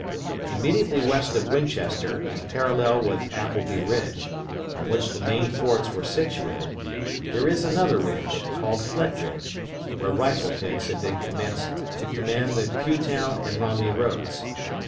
Immediately west of Winchester, and parallel with Applebie Ridge, on which the main forts were situated, there is another ridge called Flint Ridge, where rifle pits had been commenced to command the Pughtown and Romney roads.